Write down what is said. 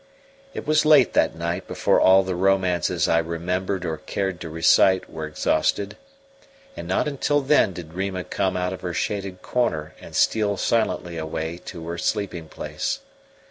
It was late that night before all the romances I remembered or cared to recite were exhausted, and not until then did Rima come out of her shaded corner and steal silently away to her sleeping place.